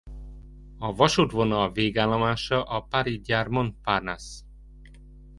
A vasútvonal végállomása a Paris Gare Montparnasse.